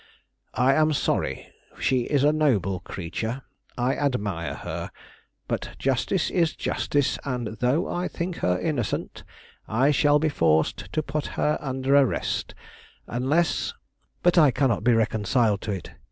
I am sorry; she is a noble creature; I admire her; but justice is justice, and though I think her innocent, I shall be forced to put her under arrest unless " "But I cannot be reconciled to it.